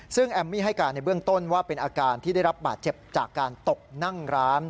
ซึ่งแอมมี่ให้การในเบื้องต้นว่าเป็นอาการที่ได้รับบาดเจ็บจากการตกนั่งร้าน